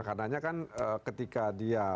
karena kan ketika dia